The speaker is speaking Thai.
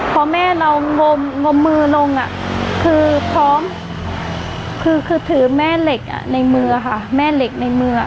พอแม่เรางมมือลงคือพร้อมคือถือแม่เหล็กในมือค่ะแม่เหล็กในมือ